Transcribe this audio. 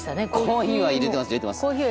コーヒーは入れてます。